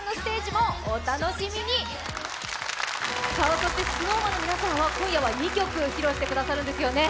そしてＳｎｏｗＭａｎの皆さんは今夜は２曲披露してくださるんですよね。